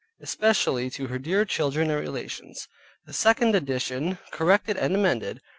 Especially to her dear children and relations. The second Addition Corrected and amended.